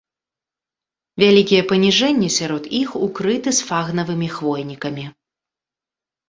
Вялікія паніжэнні сярод іх укрыты сфагнавымі хвойнікамі.